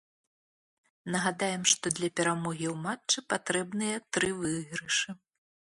Нагадаем, што для перамогі ў матчы патрэбныя тры выйгрышы.